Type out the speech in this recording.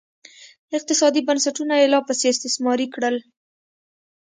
اقتصادي بنسټونه یې لاپسې استثماري کړل